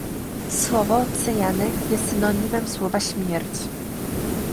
Słowo "cyjanek" jest synonimem słowa "śmierć"